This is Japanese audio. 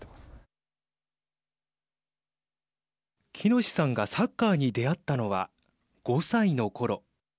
喜熨斗さんがサッカーに出会ったのは５歳のころ。